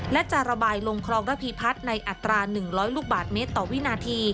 และจะระบายลงคลองระพีพัฒน์ในอัตรา๑๐๐ลูกบาทเมตรต่อวินาที